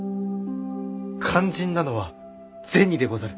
肝心なのは銭でござる。